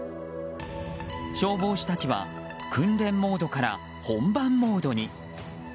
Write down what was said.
消防士たちは訓練モードから本番モードに。